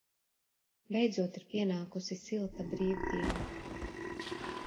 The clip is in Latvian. Beidzot ir pienākusi silta brīvdiena.